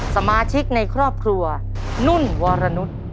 สมาชิกในครอบครัวนุ่นวรนุษย์